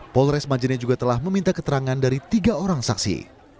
polres majene juga telah meminta keterangan dari tiga orang saksi